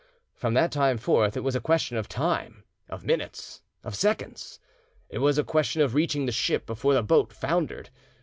From that time forth it was a question of time, of minutes, of seconds; it was a question of reaching the ship before the boat foundered.